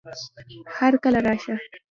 هرکله راشه